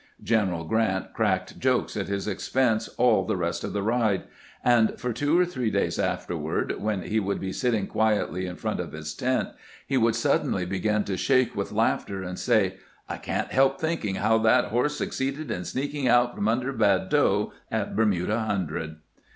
Gen eral Grant cracked jokes at his expense all the rest of the ride; and for two or three days afterward, when he would be sitting quietly in front of his tent, he would suddenly begin to shake with laughter, and say : "I can't help thinking how that horse succeeded in 230 CAMPAIGNING "WITH GRANT sneaking out from under Badeau at Bermuda Hun dred."